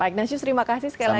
pak ignacio terima kasih sekali lagi